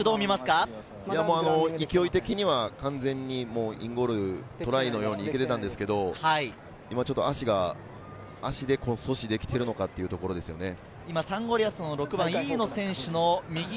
勢い的には完全にインゴール、トライのように見えていたんですけれど、ちょっと足で阻止できているのかどうかですね。